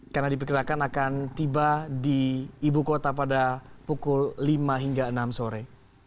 karena diperkirakan akan tiba di ibu kota pada pukul lima hingga enam sore